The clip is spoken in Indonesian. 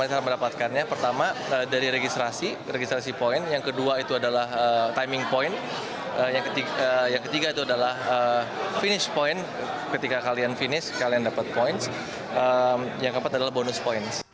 kita mendapatkannya pertama dari registrasi poin yang kedua itu adalah timing point yang ketiga itu adalah finish point ketika kalian finish kalian dapat point yang keempat adalah bonus point